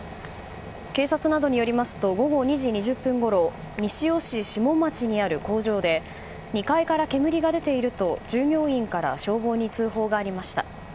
警察などによりますと午後２時２０分ごろ西尾市にある工場で２階から煙が出ていると従業員から消防に通報がありました。